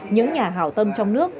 những nhà hảo tâm trong nước